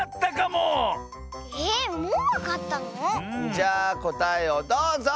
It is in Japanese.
じゃあこたえをどうぞ！